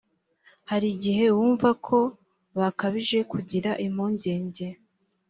hari igihe wakumva ko bakabije kugira impungenge